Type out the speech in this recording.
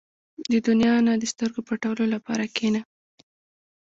• د دنیا نه د سترګو پټولو لپاره کښېنه.